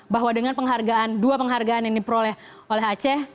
bahwa dengan penghargaan dua penghargaan yang diperoleh oleh aceh